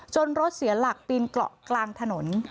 รถเสียหลักปีนเกาะกลางถนน